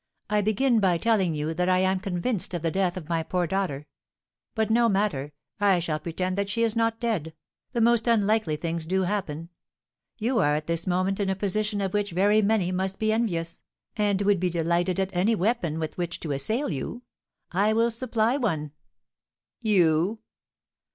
I begin by telling you that I am convinced of the death of my poor daughter. But, no matter, I shall pretend that she is not dead: the most unlikely things do happen. You are at this moment in a position of which very many must be envious, and would be delighted at any weapon with which to assail you. I will supply one." "You?"